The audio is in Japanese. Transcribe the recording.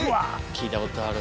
聞いたことある。